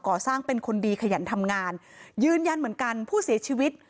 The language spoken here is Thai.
สร้างเป็นคนดีขยันทำงานยืนยันเหมือนกันผู้เสียชีวิต